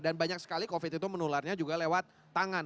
dan banyak sekali covid itu menularnya juga lewat tangan